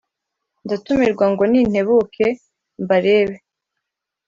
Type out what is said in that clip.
ndatumirwa ngo nintebuke mbarebe